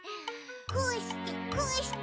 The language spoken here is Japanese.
「こーしてこーして」